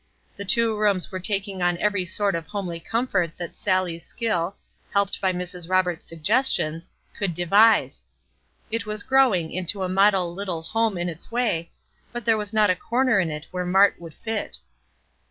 The two rooms were taking on every sort of homely comfort that Sallie's skill, helped by Mrs. Roberts' suggestions, could devise. It was growing into a model little home in its way, but there was not a corner in it where Mart would fit.